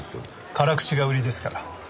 辛口が売りですから。